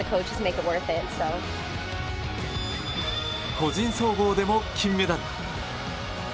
個人総合でも金メダル。